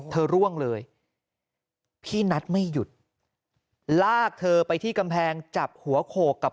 ร่วงเลยพี่นัทไม่หยุดลากเธอไปที่กำแพงจับหัวโขกกับ